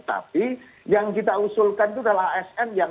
tapi lalu primera unlikely dia akan menang